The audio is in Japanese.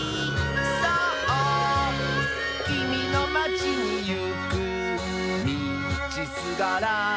「きみのまちにいくみちすがら」